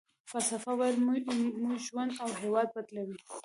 فلسفه ويل مو ژوند او هېواد بدلوي.